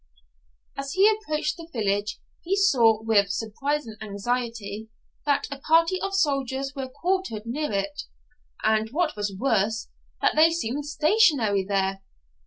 As he approached the village he saw, with surprise and anxiety, that a party of soldiers were quartered near it, and, what was worse, that they seemed stationary there.